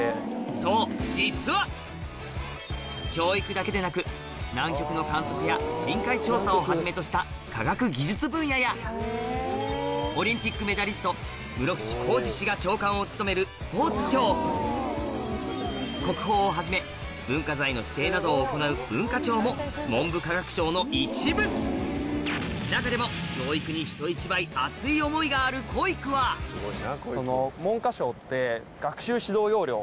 そう実は教育だけでなく南極の観測や深海調査をはじめとした分野やオリンピックメダリスト室伏広治が長官を務める国宝をはじめ文化財の指定などを行う文化庁も文部科学省の一部中でもあるこいくは文科省って。